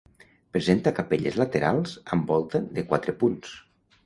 Presenta capelles laterals amb volta de quatre punts.